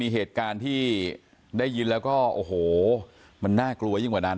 เหตุการณ์ที่ได้ยินแล้วก็โอ้โหมันน่ากลัวยิ่งกว่านั้น